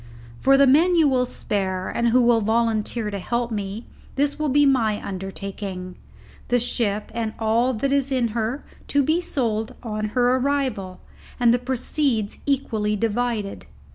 For the men you will spare, and who will volunteer to help me, this will be my undertaking: the ship and all that is in her to be sold on her arrival, and the proceeds equally divided.